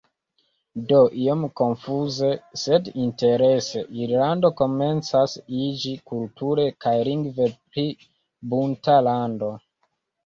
Do, iom konfuze, sed interese, Irlando komencas iĝi kulture kaj lingve pli bunta lando.